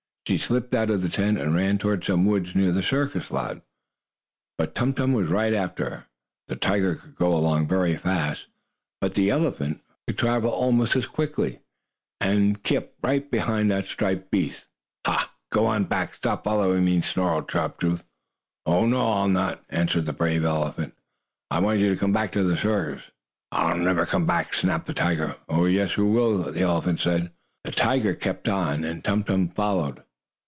She slipped out of the tent, and ran toward some woods near the circus lot. But Tum Tum was right after her. The tiger could go along very fast, but the elephant could travel almost as quickly, and he kept right behind the striped beast. "Ha! Go on back! Stop following me!" snarled Sharp Tooth. "No, I'll not," answered the brave elephant. "I want you to come back to the circus." "I'll never come!" snapped the tiger. "Oh, yes, you will," the elephant said. The tiger kept on, and Tum Tum followed.